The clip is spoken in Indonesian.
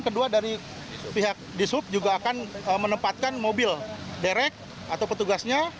kedua dari pihak dishub juga akan menempatkan mobil derek atau petugasnya